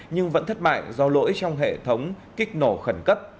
nhưng vẫn thất mại do lỗi trong hệ thống kích nổ khẩn cấp